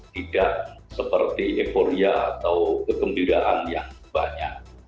tidak seperti euforia atau kegembiraan yang banyak